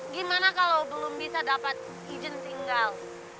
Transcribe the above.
gimana kalau belum bisa dapat izin tinggal